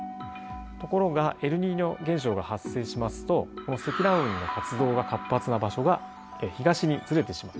ところがエルニーニョ現象が発生しますとこの積乱雲の活動が活発な場所が東にずれてしまう。